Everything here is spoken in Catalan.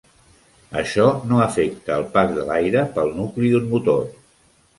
Això no afecta el pas de l'aire pel nucli d'un motor.